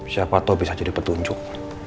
siapa tau bisa jadi petunjuk